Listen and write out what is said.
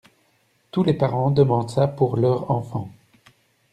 Tous les parents demandent ça pour leur enfant.